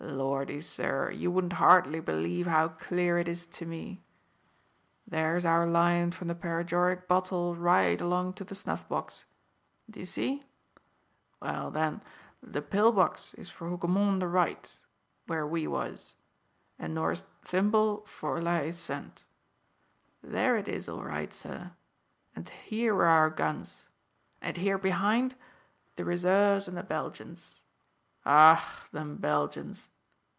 Lordy, sir, you wouldn't hardly believe how clear it is to me. There's our line from the paregoric bottle right along to the snuff box. D'ye see? Well, then, the pill box is for Hougoumont on the right where we was and Norah's thimble for La Haye Sainte. There it is, all right, sir; and here were our guns, and here behind the reserves and the Belgians. Ach, them Belgians!"